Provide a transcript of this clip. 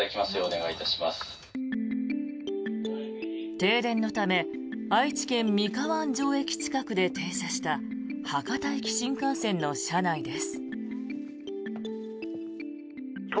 停電のため愛知県・三河安城駅近くで停車した博多行き新幹線の車内です。